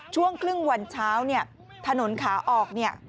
ช่วงครึ่งวันเช้าเนี่ย